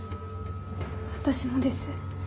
私もです。